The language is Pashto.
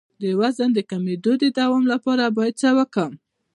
د وزن د کمیدو د دوام لپاره باید څه وکړم؟